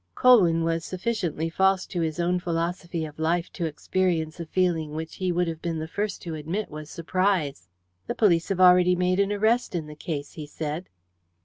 Colwyn was sufficiently false to his own philosophy of life to experience a feeling which he would have been the first to admit was surprise. "The police have already made an arrest in the case," he said.